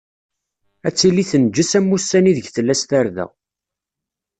Ad tili tenǧes am wussan ideg tella s tarda.